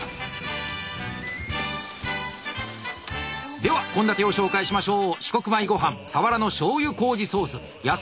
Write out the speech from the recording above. では献立を紹介しましょう。